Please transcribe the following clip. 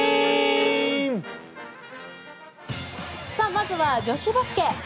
まずは女子バスケ。